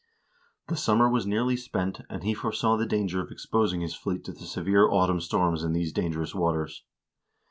The summer was nearly spent, and he foresaw the danger of exposing his fleet to the severe autumn storms in these dangerous waters.